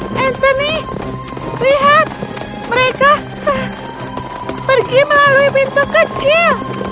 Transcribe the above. anthony lihat mereka pergi melalui pintu kecil